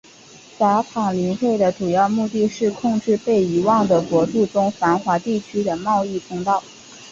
散塔林会的主要目的是控制被遗忘的国度中繁华地区的贸易通道。